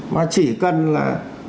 mà chỉ cần là